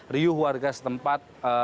riuh warga setempat